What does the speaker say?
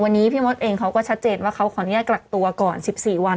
วันนี้พี่มดเองเขาก็ชัดเจนว่าเขาขออนุญาตกักตัวก่อน๑๔วัน